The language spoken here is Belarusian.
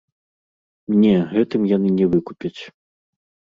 Не, гэтым яны не выкупяць.